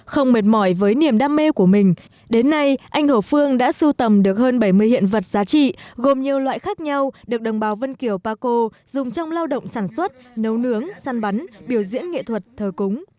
không mệt mỏi với niềm đam mê của mình đến nay anh hồ phương đã sưu tầm được hơn bảy mươi hiện vật giá trị gồm nhiều loại khác nhau được đồng bào vân kiều paco dùng trong lao động sản xuất nấu nướng săn bắn biểu diễn nghệ thuật thờ cúng